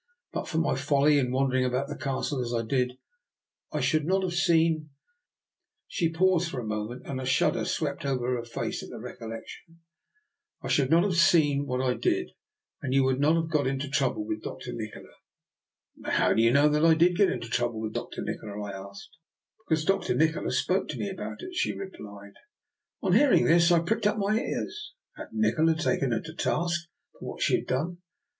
But for my folly in wandering about the Castle as I did I should not have seen "— she paused for a moment, and a shud 2o8 I>R NIKOLA'S EXPERIMENT. der swept over her at the recollection —" I should not have seen what I did, and you would not have got into trouble with Dr. Nikola." " But how did you know that I did get into trouble with Nikola? " I asked. *' Because Dr. Nikola spoke to me about it/' she replied. On hearing this, I pricked up my ears. Had Nikola taken her to task for what she had done?